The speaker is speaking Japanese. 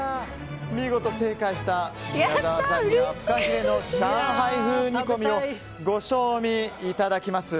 見事正解した宮澤さんにはフカヒレの上海風煮込みをご賞味いただきます。